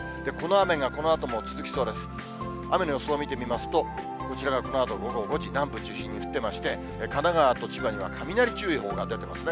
雨の予想を見てみますと、こちらがこのあと午後５時、南部中心に降ってまして、神奈川と千葉には雷注意報が出てますね。